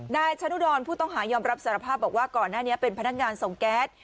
นายชะนุดรผู้ต้องหายอมรับสารภาพบอกว่าก่อนหน้านี้เป็นพนักงานส่งแก๊ส